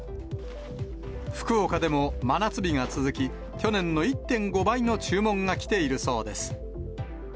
福岡でも真夏日が続き、去年の１．５倍の注文が来ているそうです。